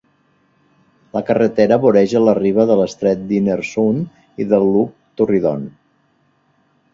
La carretera voreja la riba de l'estret d'Inner Sound i del Loch Torridon.